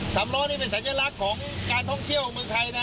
สามล้อนี่เป็นสัญลักษณ์ของการท่องเที่ยวเมืองไทยนะ